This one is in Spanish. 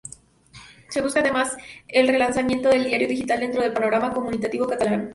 Se busca, además, el relanzamiento del diario digital dentro del panorama comunicativo catalán.